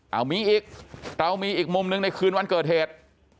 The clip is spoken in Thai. เอามีอีกเรามีอีกมุมหนึ่งในคืนวันเกิดเหตุ